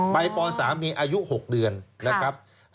ป๓มีอายุ๖เดือนนะครับ